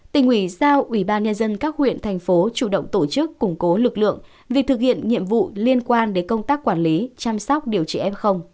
tỉnh ủy giao ủy ban nhân dân các huyện thành phố chủ động tổ chức củng cố lực lượng vì thực hiện nhiệm vụ liên quan đến công tác quản lý chăm sóc điều trị f